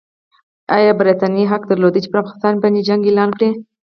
ایا برټانیې حق درلود چې پر افغانستان باندې جنګ اعلان کړي؟